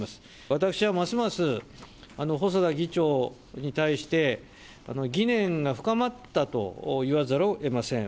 私はますます、細田議長に対して、疑念が深まったと言わざるをえません。